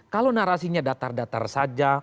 kalau narasinya datar datar saja